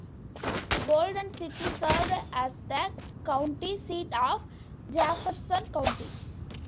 Golden City served as the county seat of Jefferson County.